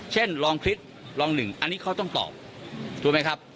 ลองคลิปลองหนึ่งอันนี้เขาต้องตอบถูกไหมครับ